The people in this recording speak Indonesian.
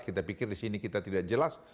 kita pikir di sini kita tidak jelas